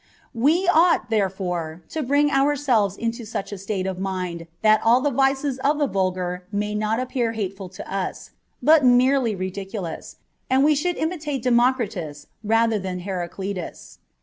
We ought therefore to bring ourselves into such a state of mind that all the vices of the vulgar may not appear hateful to us, but merely ridiculous, and we should imitate Democritus rather than Heraclitus.